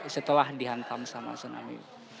setelah dihantam sama tsunami